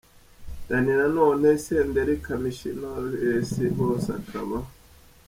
Dany Nanone , Senderi, Kamichi, Knowless bose akaba.